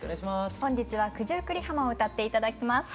本日は「九十九里浜」を歌って頂きます。